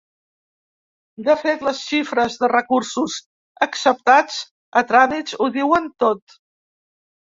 De fet, les xifres de recursos acceptats a tràmits ho diuen tot.